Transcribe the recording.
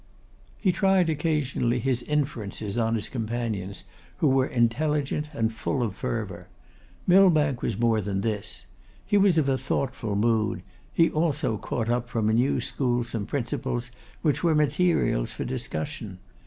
He tried occasionally his inferences on his companions, who were intelligent and full of fervour. Millbank was more than this. He was of a thoughtful mood; had also caught up from a new school some principles, which were materials for discussion.